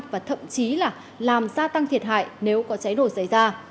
và thậm chí là làm gia tăng thiệt hại nếu có cháy nổ xảy ra